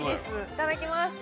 いただきます。